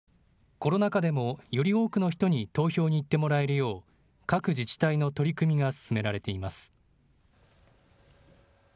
コロナ禍でもより多くの人に投票に行ってもらえるよう各自治体の取り組みが進められています。